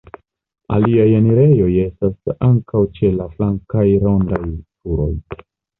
Aliaj enirejoj estas ankaŭ ĉe la flankaj rondaj turoj.